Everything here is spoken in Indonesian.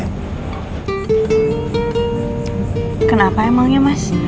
kenapa emangnya mas